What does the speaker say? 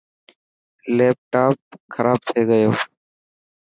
ليپٽاپ کراب ٿي گيو.